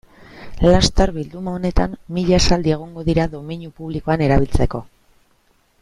Laster, bilduma honetan, mila esaldi egongo dira domeinu publikoan erabiltzeko.